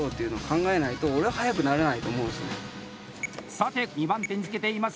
さて、２番手につけています。